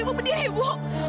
ibu berdiri ibu